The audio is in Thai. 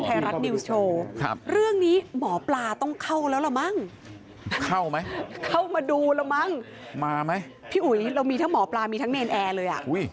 ไทยรัตน์ดีวส์โชว์เรื่องนี้หมอปลาต้องเข้าแล้วเหรอมั้งพี่อุ๋ยเรามีทั้งหมอปลามีทั้งเนนแอร์เลย